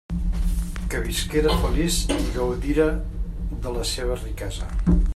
Que visquera feliç i gaudira la seua riquesa!